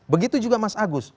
begitu juga mas agus